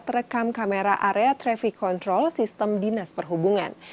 terekam kamera area traffic control sistem dinas perhubungan